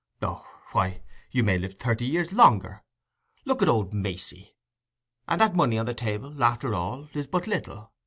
"Oh, why, you may live thirty years longer—look at old Macey! And that money on the table, after all, is but little.